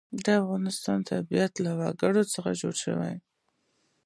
د افغانستان طبیعت له وګړي څخه جوړ شوی دی.